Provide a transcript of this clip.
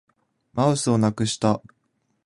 マウスをなくした